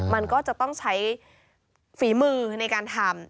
มันก็จะต้องใช้ฝีมือในการทำ